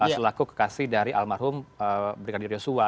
selaku kekasih dari almarhum brigadir yusuf wa